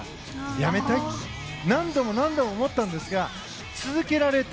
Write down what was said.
やめたいと何度も何度も思ったんですが続けられた。